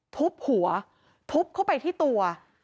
ทุบหัวทุบเข้าไปที่ตัว